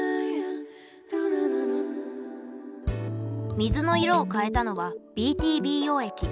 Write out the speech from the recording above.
水の色を変えたのはＢＴＢ溶液。